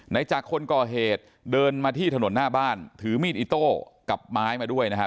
จากคนก่อเหตุเดินมาที่ถนนหน้าบ้านถือมีดอิโต้กับไม้มาด้วยนะครับ